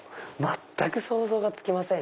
全く想像がつきません。